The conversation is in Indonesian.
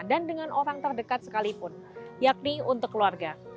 dan dengan orang terdekat sekalipun yakni untuk keluarga